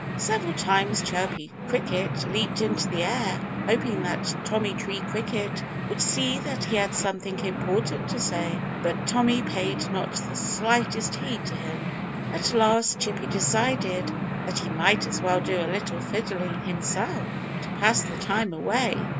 Several times Chirpy Cricket leaped into the air, hoping that Tommy Tree Cricket would see that he had something important to say. But Tommy paid not the slightest heed to him. At last Chirpy decided that he might as well do a little fiddling himself, to pass the time away.